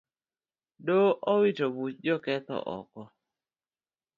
Doho owito buch joketho oko